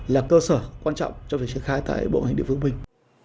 là cơ sở quan trọng cho việc triển khai tại bộ hành địa phương mình